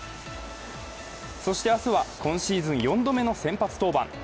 そして明日は、今シーズン４度目の先発登板。